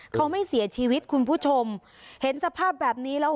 เขาไม่เสียชีวิตคุณผู้ชมเห็นสภาพแบบนี้แล้ว